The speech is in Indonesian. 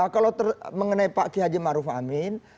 kalau mengenai pak kihaji maruf amin